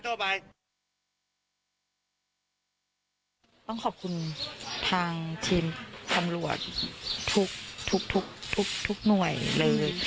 ต้องขอบคุณทางทีมตำรวจทุกหน่วยเลย